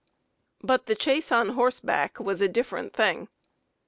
Bat the chase on horseback was a different thing.